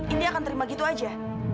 ini akan terima gitu aja